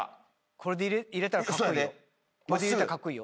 これで入れたらカッコイイよ。